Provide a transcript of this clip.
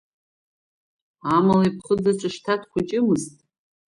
Амала иԥхыӡ аҿы шьҭа дхәыҷымызт.